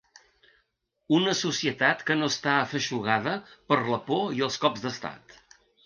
Una societat que no està afeixugada per la por i els cops d’estat.